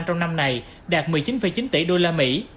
trong năm này đạt một mươi chín chín tỷ đô la mỹ